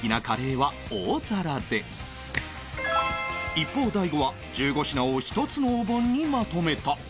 一方大悟は１５品を１つのおぼんにまとめた